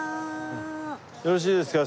よろしいですか？